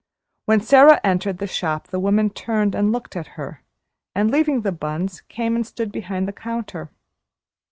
When Sara entered the shop the woman turned and looked at her and, leaving the buns, came and stood behind the counter.